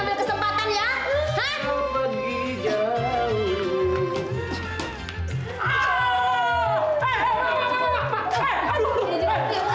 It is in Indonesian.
letak ke malu gue